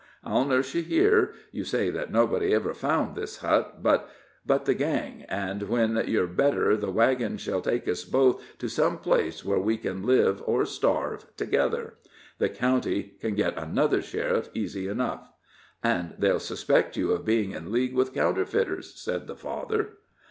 I'll nurse you here you say that nobody ever found this hut but but the gang, and when you're better the wagon shall take us both to some place where we can live or starve together. The county can get another sheriff easy enough." "And they'll suspect you of being in league with counterfeiters," said the father.